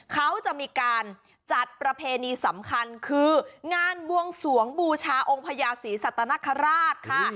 เขาจะมีการจัดประเพณีสำคัญคืองานบวงสวงบูชาองค์พญาศรีสัตนคราชค่ะ